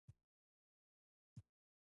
هر ورځ به لږ تر لږه دوه زره غوایي حلالېدل.